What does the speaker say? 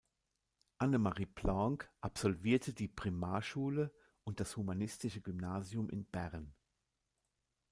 Anne-Marie Blanc absolvierte die Primarschule und das Humanistische Gymnasium in Bern.